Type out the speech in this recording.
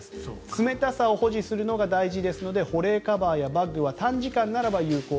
冷たさを保持するのが大事ですので保冷カバーやバッグは短時間ならば有効。